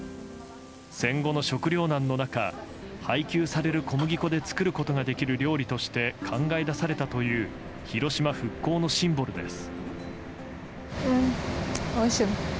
戦後の食糧難の中配給される小麦粉で作ることができる料理として考え出されたという広島復興のシンボルです。